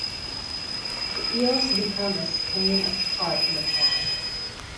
The eels become as tame as carp in a pond.